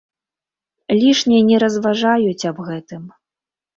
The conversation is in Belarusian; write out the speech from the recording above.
Лішне не разважаюць аб гэтым.